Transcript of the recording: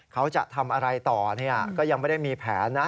เขาจะทำอะไรต่อก็ยังไม่ได้มีแผนนะ